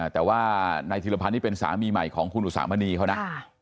แต่ว่านายธิรพันธ์นี่เป็นสามีใหม่ของคุณอุสามณีเขานะ